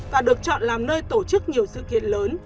và được chọn làm nơi tổ chức nhiều sự kiện lớn